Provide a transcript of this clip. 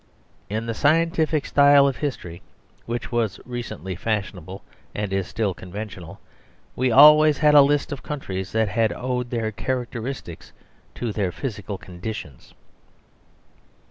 In the scientific style of history (which was recently fashionable, and is still conventional) we always had a list of countries that had owed their characteristics to their physical conditions.